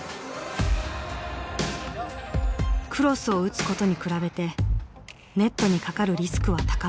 クロスを打つことに比べてネットにかかるリスクは高まる。